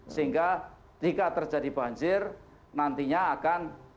sehingga jika terjadi banjir nantinya akan